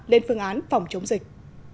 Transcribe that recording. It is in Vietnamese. lên phương án phòng chống dịch